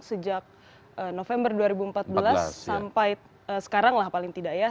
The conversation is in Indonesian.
sejak november dua ribu empat belas sampai sekarang lah paling tidak ya